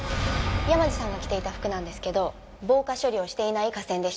山路さんが着ていた服なんですけど防火処理をしていない化繊でした。